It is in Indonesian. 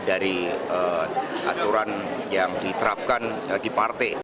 dari aturan yang diterapkan di partai